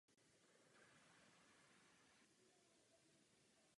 Nejprve narazí na vosy na ostrově a poté i na kontinentě.